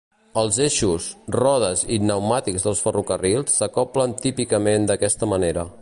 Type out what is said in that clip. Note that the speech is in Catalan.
Els eixos, rodes i pneumàtics dels ferrocarrils s'acoblen típicament d'aquesta manera.